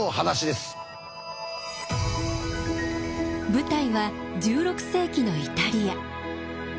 舞台は１６世紀のイタリア。